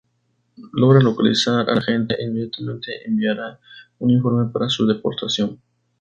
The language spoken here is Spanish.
Logra localizar al agente, e inmediatamente enviará un informe para su deportación.